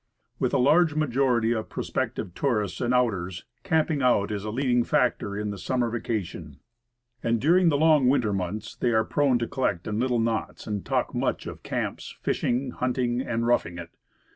WITH a large majority of prospective tourists and outers, "camping out" is a leading factor in the summer vacation. And during the long winter months they are prone to collect in little knots and talk much of camps, fishing, hunting, and "roughing it."